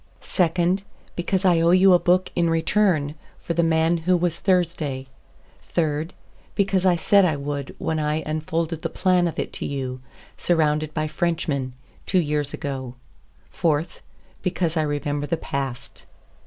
Second: because I owe you a book in return for "The Man Who Was Thursday." Third: because I said I would when I unfolded the plan of it to you, surrounded by Frenchmen, two years ago. Fourth: because I remember the past.